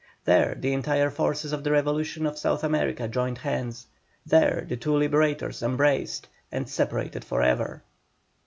There the entire forces of the revolution of South America joined hands; there the two liberators embraced, and separated for ever.